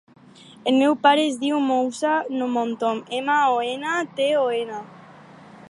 El meu pare es diu Moussa Monton: ema, o, ena, te, o, ena.